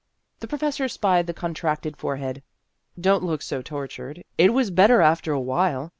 The professor spied the contracted forehead. " Don't look so tortured. It was better after a while.